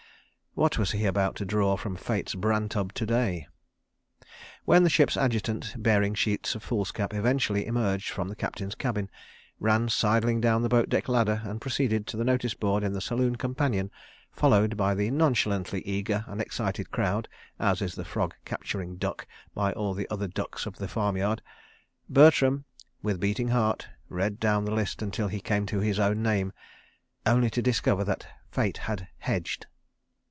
What was he about to draw from Fate's bran tub to day? When the Ship's Adjutant, bearing sheets of foolscap, eventually emerged from the Captain's cabin, ran sidling down the boat deck ladder and proceeded to the notice board in the saloon companion, followed by the nonchalantly eager and excited crowd, as is the frog capturing duck by all the other ducks of the farm yard, Bertram, with beating heart, read down the list until he came to his own name—only to discover that Fate had hedged.